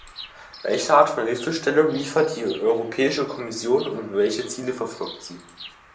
Welche Art von Hilfestellung liefert die Europäische Kommission, und welche Ziele verfolgt sie?